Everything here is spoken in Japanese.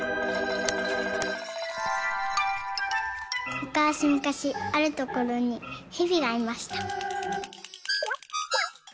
「むかしむかしあるところにへびがいました」。